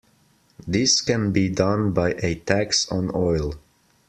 This can be done by a tax on oil.